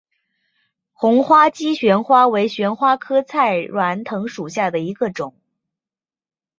红花姬旋花为旋花科菜栾藤属下的一个种。